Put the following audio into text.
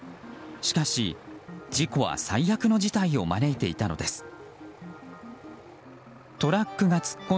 しかし事故は最悪の事態を招いていたのです。